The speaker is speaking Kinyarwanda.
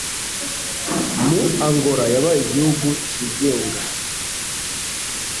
Mu , Angola yabaye igihugu cyigenga.